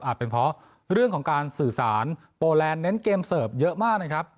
เป็นเพราะเรื่องของการสื่อสารโปแลนดเน้นเกมเสิร์ฟเยอะมากนะครับ